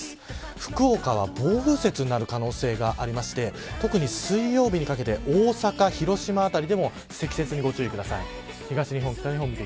福岡は暴風雪になる可能性がありまして特に水曜日にかけて大阪、広島辺りでも積雪にご注意ください。